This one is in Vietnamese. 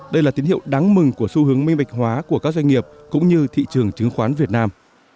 đây là tín hiệu đáng mừng của xu hướng minh bạch hóa của các doanh nghiệp cũng như thị trường chứng khoán việt nam